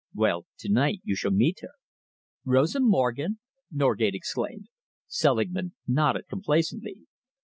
Well, to night you shall meet her." "Rosa Morgen?" Norgate exclaimed. Selingman nodded complacently.